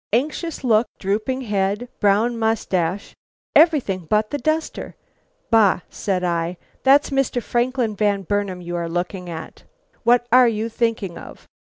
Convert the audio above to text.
'Anxious look, drooping head, brown moustache, everything but the duster.' 'Bah!' said I; 'that's Mr. Franklin Van Burnam you are looking at! What are you thinking of?'